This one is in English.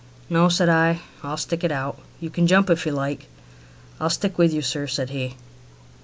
"No," said I; "I'll stick it out. You can jump if you like." "I'll stick it with you, sir," said he.